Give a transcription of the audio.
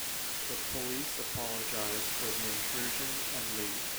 The police apologize for the intrusion and leave.